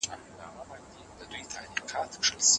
ملا ځواب ورکړ چې زه ویښ یم.